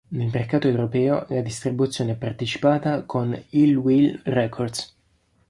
Nel mercato europeo la distribuzione è partecipata con Ill Will Records.